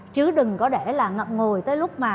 chứ đừng có để là ngậm ngồi tới lúc mà